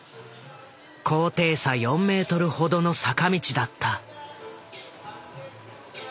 高低差４ｍほどの坂道だった。